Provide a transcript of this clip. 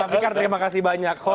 terima kasih banyak